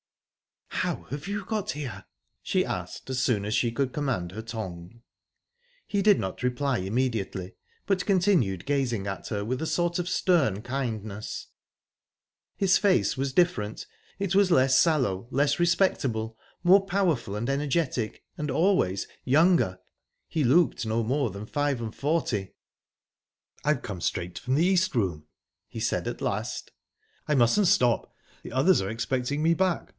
"How have you got here?" she asked, as soon as she could command her tongue. He did not reply immediately, but continued gazing at her with a sort of stern kindness. His face was different. It was less sallow, less respectable, more powerful and energetic...and always younger. He looked no more that five and forty. "I've come straight from the East Room," he said at last. "I mustn't stop the others are expecting me back.